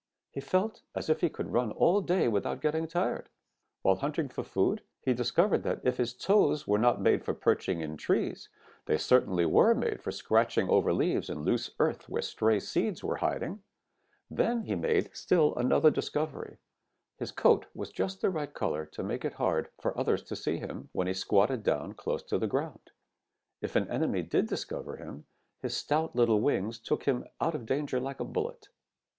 He felt as if he could run all day without getting tired. While hunting for food he discovered that if his toes were not made for perching in trees, they certainly were made for scratching over leaves and loose earth where stray seeds were hiding. Then he made still another discovery. His coat was just the right color to make it hard work for others to see him when he squatted down close to the ground. If an enemy did discover him, his stout little wings took him out of danger like a bullet.